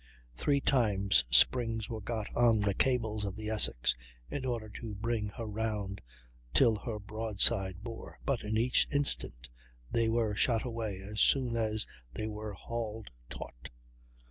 Three times springs were got on the cables of the Essex, in order to bring her round till her broadside bore; but in each instance they were shot away, as soon as they were hauled taut.